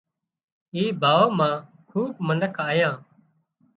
اي ڀاوَ مان کوٻ منک آيان